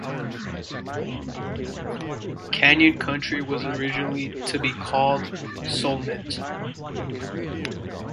Canyon Country was originally to be called Solemint.